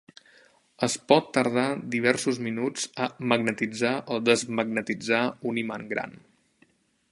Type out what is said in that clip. Es pot tardar diversos minuts a magnetitzar o desmagnetitzar un imant gran.